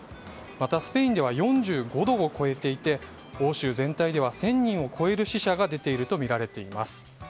またスペインでは４５度を超えていて欧州全体では１０００人を超える死者が出ているとみられています。